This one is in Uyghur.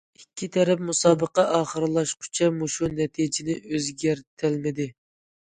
ئىككى تەرەپ مۇسابىقە ئاخىرلاشقۇچە مۇشۇ نەتىجىنى ئۆزگەرتەلمىدى.